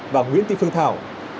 và nguyễn tị phương thảo